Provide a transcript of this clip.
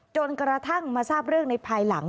จนกระทั่งมาทราบเรื่องในภายหลัง